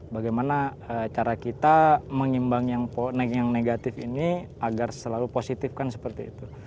bagaimana cara kita mengimbang yang negatif ini agar selalu positif kan seperti itu